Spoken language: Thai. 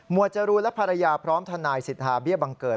จรูนและภรรยาพร้อมทนายสิทธาเบี้ยบังเกิด